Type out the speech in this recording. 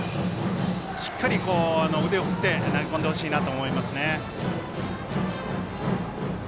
しっかり腕を振って投げ込んでほしいと思います。